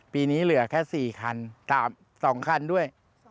ปีนี้เหลือแค่๔คัน๒คันด้วย